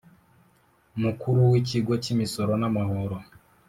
Mukuru w ikigo cy imisoro n amahoro